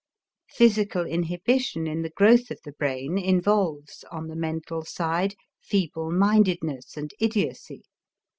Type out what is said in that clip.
Physical inhibition in the growth of the brain involves, on the mental side, feeble mindedness and idiocy.